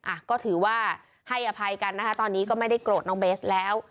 อ่ะก็ถือว่าให้อภัยกันนะคะตอนนี้ก็ไม่ได้โกรธน้องเบสแล้ว